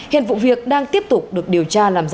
hiện vụ việc đang tiếp tục được điều tra làm rõ